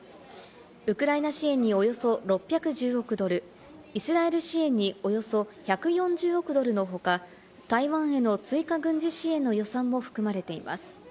ウクライナ支援におよそ６１０億ドル、イスラエル支援におよそ１４０億ドルの他、台湾への追加軍事支援の予算も含まれています。